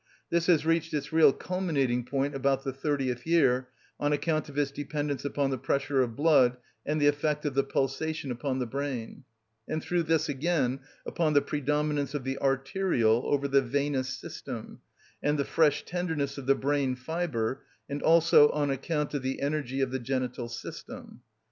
This has reached its real culminating point about the thirtieth year, on account of its dependence upon the pressure of blood and the effect of the pulsation upon the brain, and through this again upon the predominance of the arterial over the venous system, and the fresh tenderness of the brain fibre, and also on account of the energy of the genital system.